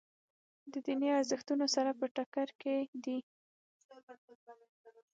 د دیني ارزښتونو سره په ټکر کې دي.